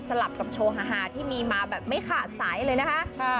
ลับกับโชว์ฮาที่มีมาแบบไม่ขาดสายเลยนะคะ